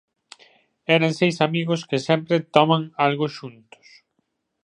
Eran seis amigos que sempre toman algo xuntos.